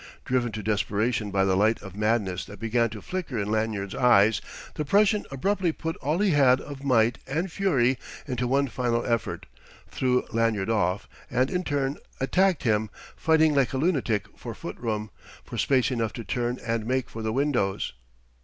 Driven to desperation by the light of madness that began to flicker in Lanyard's eyes, the Prussian abruptly put all he had of might and fury into one final effort, threw Lanyard off, and in turn attacked him, fighting like a lunatic for footroom, for space enough to turn and make for the windows.